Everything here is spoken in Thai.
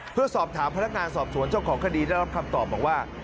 เพื่อสอบถามพนักงานสอบสวนเจ้าของคดีได้รับคำตอบบอกว่า